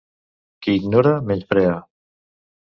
Qui ignora, menysprea.